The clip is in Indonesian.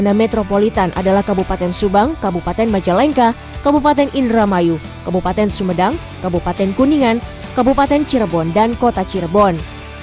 kota metropolitan adalah kabupaten subang kabupaten majalengka kabupaten indramayu kabupaten sumedang kabupaten kuningan kabupaten cirebon dan kota cirebon